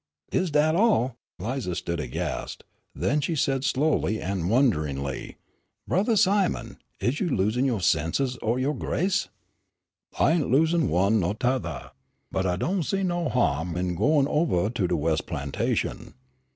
"Is dat all!" Lize stood aghast. Then she said slowly and wonderingly, "Brothah Simon, is you losin' yo' senses er yo' grace?" "I ain' losin' one ner 'tothah, but I do' see no ha'm in gwine ovah to de wes' plantation."